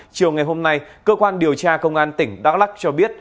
chiều ngày hôm nay cơ quan điều tra công an tỉnh đắk lắc cho biết